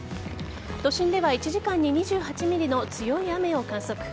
都心では１時間に２８ｍｍの強い雨を観測。